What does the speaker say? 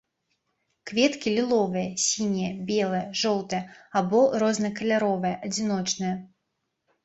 Кветкі ліловыя, сінія, белыя, жоўтыя або рознакаляровыя, адзіночныя.